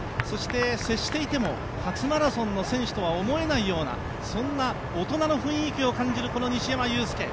そして、接していても初マラソンの選手とは思えないようなそんな大人の雰囲気を感じる西山雄介。